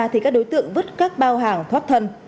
thì các đối tượng vứt các bao hàng thoát thân